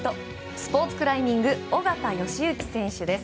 スポーツクライミング緒方良行選手です。